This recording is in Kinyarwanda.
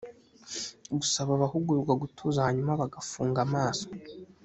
gusaba abahugurwa gutuza hanyuma bagafunga amaso